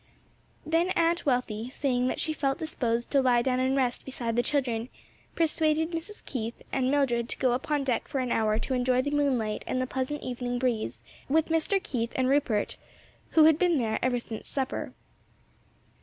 Then Aunt Wealthy, saying that she felt disposed to lie down and rest beside the children, persuaded Mrs. Keith and Mildred to go upon deck for an hour to enjoy the moonlight and the pleasant evening breeze with Mr. Keith and Rupert, who had been there ever since supper.